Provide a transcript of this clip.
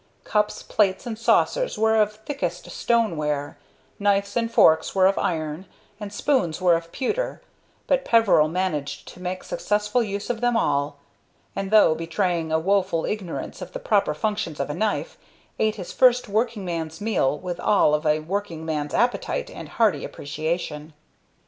Cups, plates, and saucers were of thickest stone ware, knives and forks were of iron, and spoons were of pewter, but Peveril managed to make successful use of them all, and though betraying a woful ignorance of the proper functions of a knife, ate his first working man's meal with all of a working man's appetite and hearty appreciation.